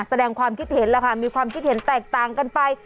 แสดงความคิดเห็นแล้วค่ะมีความคิดเห็นแตกต่างกันไป